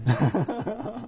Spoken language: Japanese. アハハハ。